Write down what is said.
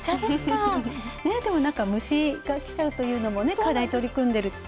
でも、なんか虫が来ちゃうというのも課題に取り組んでるって。